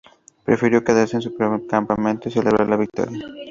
Prefirió quedarse en su campamento y celebrar la victoria.